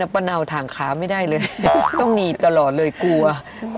โภไม่ถึงขนาดนั้นแล้วค่ะ